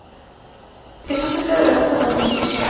Está cerca de la casa Mantilla.